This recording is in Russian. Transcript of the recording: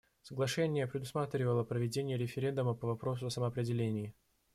Соглашение предусматривало проведение референдума по вопросу о самоопределении.